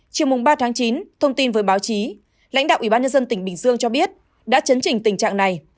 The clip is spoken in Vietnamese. chiều ba chín thông tin với báo chí lãnh đạo ủy ban nhân dân tỉnh bình dương cho biết đã chấn trình tình trạng này